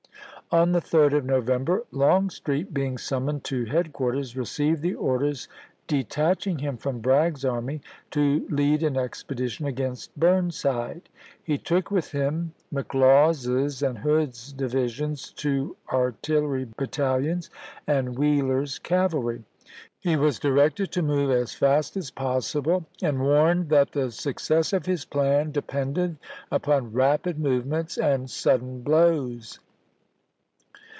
1863. On the 3d of November, Longstreet, being summoned to headquarters, received the orders detaching him from Bragg's army to lead an expe dition against Burnside. He took with him Mc BURNSIDE IN TENNESSEE 171 Laws's and Hood's divisions, two artillery battalions, chap. vi. and Wheeler's cavalry. He was directed to move as fast as possible, and warned that the success of his plan depended upon rapid movements and sudden blows.